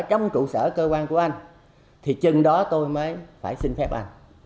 trong trụ sở cơ quan của anh thì chừng đó tôi mới phải xin phép anh